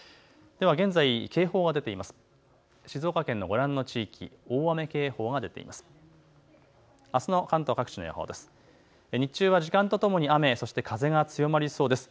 では現在、警報が出ています。